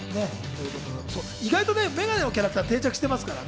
意外と眼鏡のキャラクターが定着してますからね。